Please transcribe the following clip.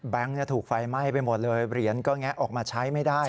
ถูกไฟไหม้ไปหมดเลยเหรียญก็แงะออกมาใช้ไม่ได้